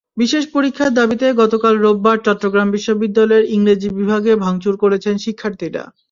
বিশেষ পরীক্ষার দাবিতে গতকাল রোববার চট্টগ্রাম বিশ্ববিদ্যালয়ের ইংরেজি বিভাগে ভাঙচুর করেছেন শিক্ষার্থীরা।